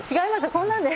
こんなので。